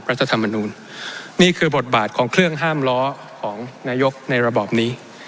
รัฐธรรมนูลนี่คือบทบาทของเครื่องห้ามล้อของนายกในระบอบนี้